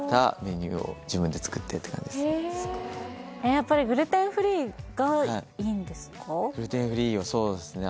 やっぱりグルテンフリーはそうですね